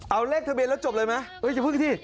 เอาเลขทะเบนแล้วจบเลยมั้ย